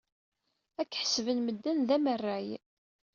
Ad k-ḥesben medden d amerray.